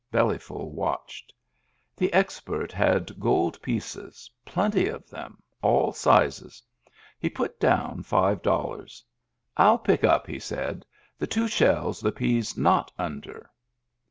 • Bellyful watched. The expert had gold pieces, plenty of them, all sizes. He put down five dollars. " I'll pick up," he said, " the two shells the pea's not under."